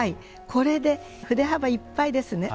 これで筆幅いっぱいですね。